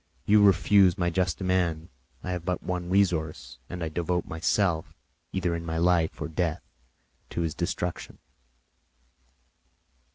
You refuse my just demand; I have but one resource, and I devote myself, either in my life or death, to his destruction."